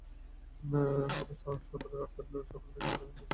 তবে সদরে রাত কাটালেও সকাল থেকে সারা দিন তিনি এলাকায় কাটান।